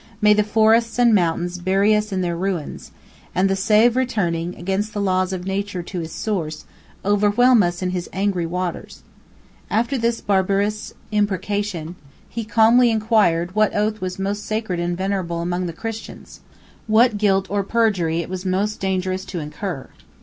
May the forests and mountains bury us in their ruins! and the Save returning, against the laws of nature, to his source, overwhelm us in his angry waters!" After this barbarous imprecation, he calmly inquired, what oath was most sacred and venerable among the Christians, what guilt or perjury it was most dangerous to incur.